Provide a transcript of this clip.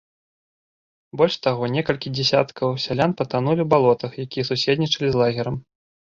Больш таго, некалькі дзясяткаў сялян патанулі ў балотах, якія суседнічалі з лагерам.